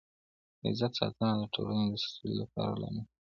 د عزت ساتنه د ټولني د سولي لامل دی.